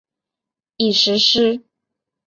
已实施。